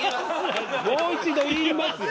もう一度言いますよ